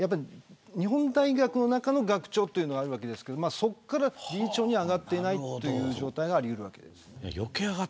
日本大学の中の学長というのがいますがそこから理事長に上がっていないという状態があり得るわけです。